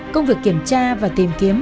công việc kiểm tra và tìm kiếm